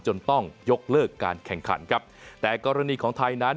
ต้องยกเลิกการแข่งขันครับแต่กรณีของไทยนั้น